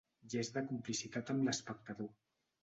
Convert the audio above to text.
Gest de complicitat amb l’espectador.